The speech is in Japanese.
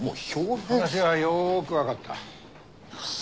話はよくわかった。